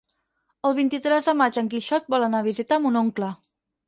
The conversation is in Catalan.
El vint-i-tres de maig en Quixot vol anar a visitar mon oncle.